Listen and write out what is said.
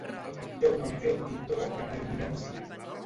Té un autèntic do de clarividència.